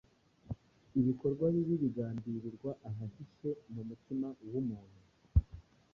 ibikorwa bibi bigambirirwa ahahishe mu mutima w’umuntu